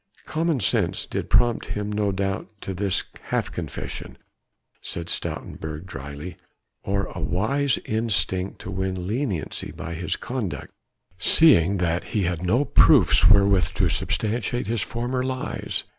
"Commonsense did prompt him no doubt to this half confession," said Stoutenburg dryly, "or a wise instinct to win leniency by his conduct, seeing that he had no proofs wherewith to substantiate his former lies.